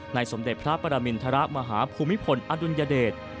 สมเด็จพระปรมินทรมาฮภูมิพลอดุลยเดช